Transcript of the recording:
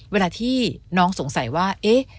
เวลาที่น้องสงสัยว่า